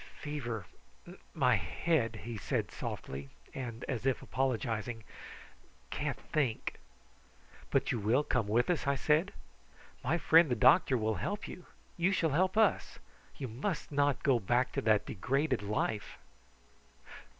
"Fever my head," he said softly, and as if apologising. "Can't think." "But you will come with us?" I said. "My friend the doctor will help you. You shall help us. You must not go back to that degraded life."